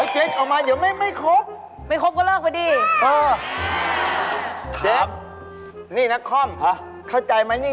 ช่วงนี้ไม่ได้เลย